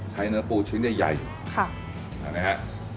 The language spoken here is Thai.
ใช้เนื้อปูชิ้นใหญ่ค่ะอันนี้ฮะ